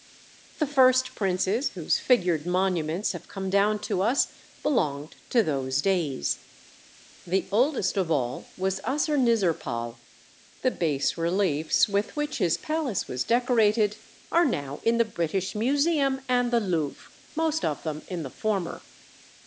The first princes whose figured monuments have come down to us belonged to those days. The oldest of all was Assurnizirpal; the bas reliefs with which his palace was decorated are now in the British Museum and the Louvre; most of them in the former.